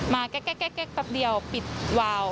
แก๊กแป๊บเดียวปิดวาว